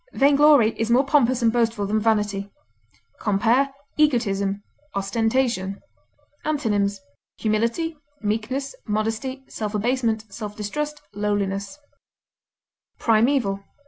Vainglory is more pompous and boastful than vanity. Compare EGOTISM; OSTENTATION. Antonyms: humility, meekness, modesty, self abasement, self distrust. lowliness, PRIMEVAL.